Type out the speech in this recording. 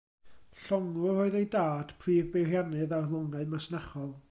Llongwr oedd ei dad, prif beiriannydd ar longau masnachol.